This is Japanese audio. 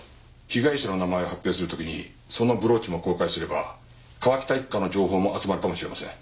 被害者の名前を発表する時にそのブローチも公開すれば川喜多一家の情報も集まるかもしれません。